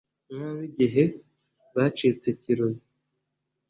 Nk abo Igihe bacitse Kirozi